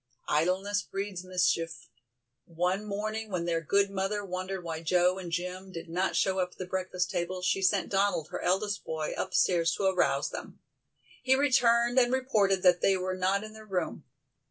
Idleness breeds mischief. One morning when their good mother wondered why Joe and Jim did not show up at the breakfast table, she sent Donald, her eldest boy, upstairs to arouse them. He returned and reported that they were not in their room.